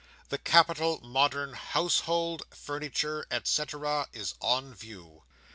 The Capital Modern Household Furniture, &c., is on view.